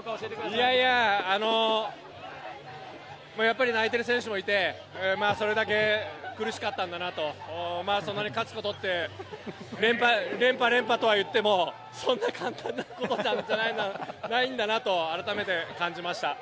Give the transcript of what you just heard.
いやいや、もうやっぱり泣いてる選手もいて、それだけ苦しかったんだなと、そんなに勝つことって、連覇、連覇とはいっても、そんな簡単なことじゃないんだなと、改めて感じました。